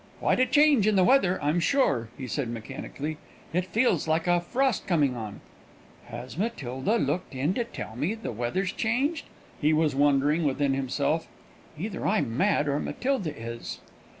"Quite a change in the weather, I'm sure," he said mechanically; "it feels like a frost coming on." ("Has Matilda looked in to tell me the weather's changed?" he was wondering within himself. "Either I'm mad, or Matilda is.")